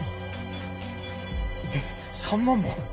えっ３万も？